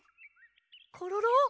コロロ